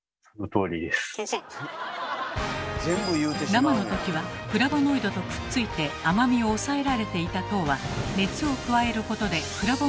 生の時はフラボノイドとくっついて甘みを抑えられていた糖は熱を加えることでフラボノイドと分離。